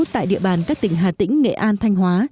tại địa bàn các tỉnh hà tĩnh nghệ an thanh hóa